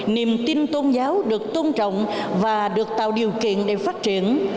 niềm tin tôn giáo được tôn trọng và được tạo điều kiện để phát triển